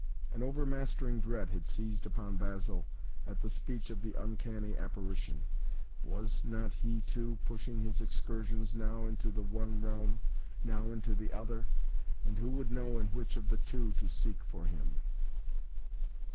An overmastering dread had seized upon Basil at the speech of the uncanny apparition. Was not he, too, pushing his excursions now into the one realm, now into the other? And who would know in which of the two to seek for him?